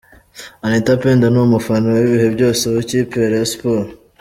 Anita Pendo ni umufana w’ibihe byose wa w’ikipe ya Rayon Sports.